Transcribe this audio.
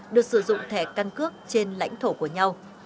được sử dụng thẻ căn cước trên lãnh thổ của nhau